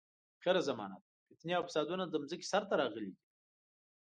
اخره زمانه ده، فتنې او فسادونه د ځمکې سر ته راغلي دي.